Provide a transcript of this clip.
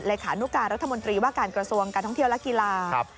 ขานุการรัฐมนตรีว่าการกระทรวงการท่องเที่ยวและกีฬา